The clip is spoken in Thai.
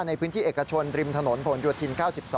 ในพื้นที่เอกชนริมถนนผลโยธิน๙๒